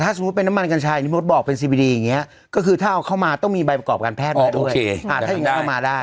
อ่าแต่ถ้าอย่างงี้เข้ามาได้อืม